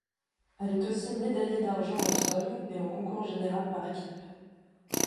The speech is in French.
Elle est aussi médaillée d'argent au sol et en concours général par équipes.